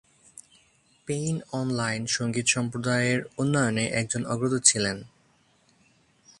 Pain online সঙ্গীত সম্প্রদায়ের উন্নয়নে একজন অগ্রদূত ছিলেন।